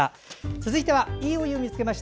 続いては「＃いいお湯見つけました」。